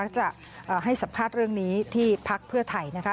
จะให้สัมภาษณ์เรื่องนี้ที่พักเพื่อไทยนะคะ